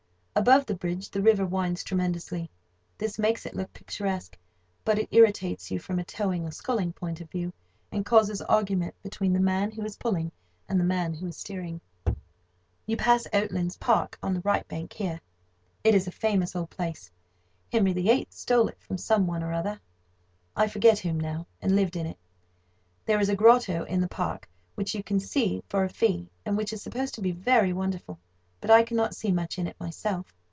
Above the bridge the river winds tremendously. This makes it look picturesque; but it irritates you from a towing or sculling point of view, and causes argument between the man who is pulling and the man who is steering. You pass Oatlands Park on the right bank here. It is a famous old place. Henry VIII. stole it from some one or the other, I forget whom now, and lived in it. There is a grotto in the park which you can see for a fee, and which is supposed to be very wonderful; but I cannot see much in it myself.